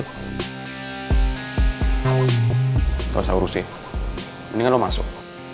tidak usah urusin mendingan lo masuk